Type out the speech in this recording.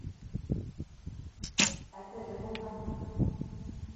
Ә тере булһа?